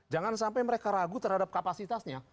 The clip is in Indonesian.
jangan sampai mereka ragu terhadap kapasitasnya